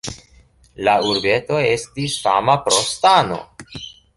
La urbeto estis fama pro stano.